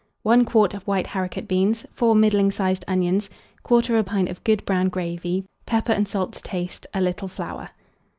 1 quart of white haricot beans, 4 middling sized onions, 1/4 pint of good brown gravy, pepper and salt to taste, a little flour.